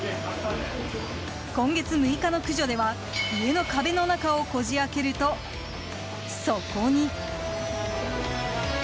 今月６日の駆除では家の壁の中をこじ開けると、そこに。